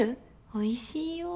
おいしいよ。